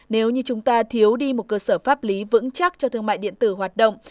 nếu như chúng ta thiếu đi một cơ sở pháp lý vững chắc cho thương mại điện tử hoạt động